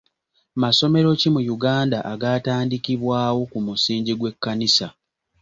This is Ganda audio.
Masomero ki mu Uganda agaatandikibwawo ku musingi gw'ekkanisa?